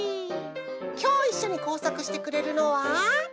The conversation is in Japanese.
きょういっしょにこうさくしてくれるのは。